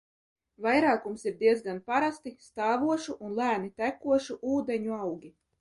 Vairākums ir diezgan parasti stāvošu un lēni tekošu ūdeņu augi.